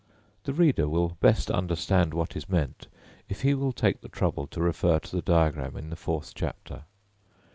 The reader will best understand what is meant, if he will take the trouble to refer to the diagram in the fourth chapter.